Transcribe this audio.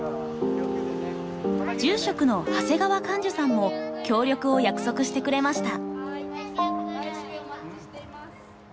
住職の長谷川観樹さんも協力を約束してくれました。